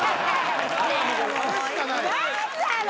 何なの？